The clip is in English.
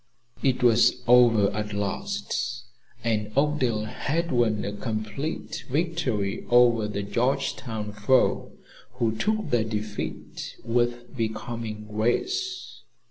It was over at last, and Oakdale had won a complete victory over the Georgetown foe, who took their defeat with becoming grace.